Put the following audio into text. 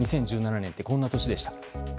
２０１７年ってこんな年でした。